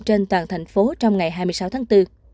trên toàn thành phố trong ngày hai mươi sáu tháng bốn